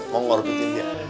mau ngorbetin dia